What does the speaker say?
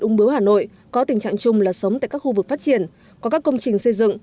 ung bưu hà nội có tình trạng chung là sống tại các khu vực phát triển có các công trình xây dựng